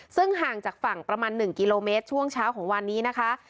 ซึ่งห่างจากฝั่งประมาณ๑กิโลเมตรช่วงเช้าของวันนี้นะคะ